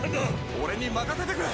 「俺に任せてくれ」